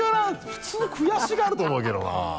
普通悔しがると思うけどな。